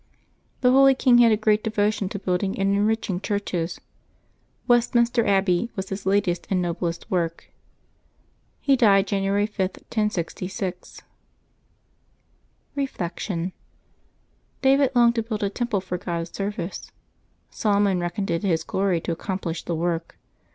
The holy king had a great devotion to building and enriching churches. Westminster Abbey was his latest and noblest work. He died January 5, 1066. Reflection. — ^David longed to build a temple for God's service. Solomon reckoned it his glory to accomplish the work.